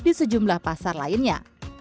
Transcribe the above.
di sejumlah pasar lainnya